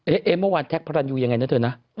เอ๊ะเมื่อวานแท็กพระรันยูยังไงนะเธอนะ